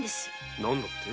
何だって？